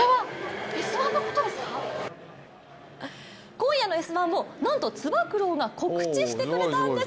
今夜の「Ｓ☆１」をなんと、つば九郎が告知してくれたんです